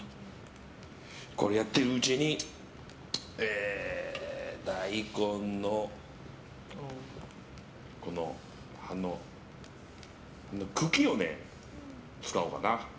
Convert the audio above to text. これをやっているうちに大根の葉の茎を使おうかな。